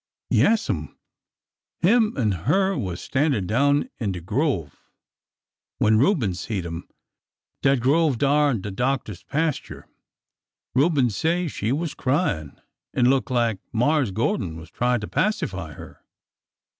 '' Yaas'm. Him an' her was standin' down in de grove when Reuben seed 'em— dat grove dar in de doctor's pas ture. Reuben say she was cryin', an' look lak Marse Gordon was tryin' to pacify 'er."